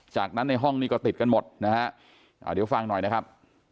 จากนั้นในห้องนี้ก็ติดกันหมดนะฮะเดี๋ยวฟังหน่อยนะครับ